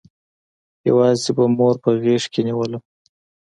يوازې به مور په غېږ کښې نېولم.